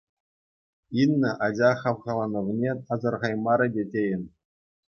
Инна ача хавхаланӑвне асӑрхаймарӗ те тейӗн.